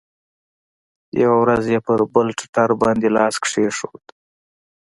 يوه ورځ يې پر خپل ټټر باندې لاس کښېښوو.